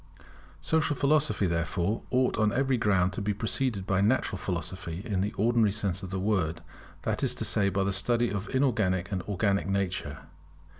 Social Philosophy, therefore, ought on every ground to be preceded by Natural Philosophy in the ordinary sense of the word; that is to say by the study of inorganic and organic nature.